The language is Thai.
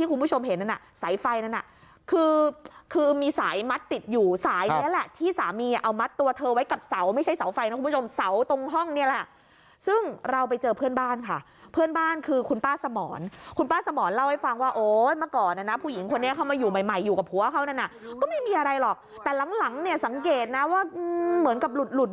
คือมีสายมัดติดอยู่สายนี้แหละที่สามีเอามัดตัวเธอไว้กับเสาไม่ใช่เสาไฟนะคุณผู้ชมเสาตรงห้องนี้แหละซึ่งเราไปเจอเพื่อนบ้านค่ะเพื่อนบ้านคือคุณป้าสมรคุณป้าสมรเล่าให้ฟังว่าโอ๊ยมาก่อนนะนะผู้หญิงคนนี้เข้ามาอยู่ใหม่อยู่กับผัวเขานั้นน่ะก็ไม่มีอะไรหรอกแต่หลังเนี่ยสังเกตนะว่าเหมือนกับหลุด